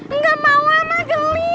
engga mau ma geli